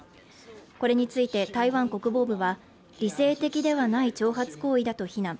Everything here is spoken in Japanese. これについて台湾国防部は理性的ではない挑発行為だと非難。